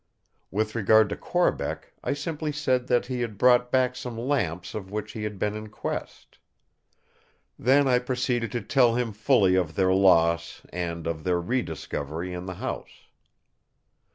With regard to Corbeck, I simply said that he had brought back some lamps of which he had been in quest. Then I proceeded to tell him fully of their loss, and of their re discovery in the house.